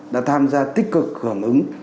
đã tham gia tích cực hưởng ứng